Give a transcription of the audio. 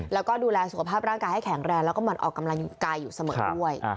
แล้วก็ดูแลสุขภาพร่างกายให้แข็งแรงแล้วก็มันออกกำลังกายอยู่เสมอด้วย